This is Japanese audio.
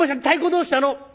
太鼓どうしたの？」。